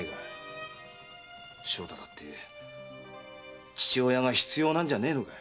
正太だって父親が必要なんじゃねえのか？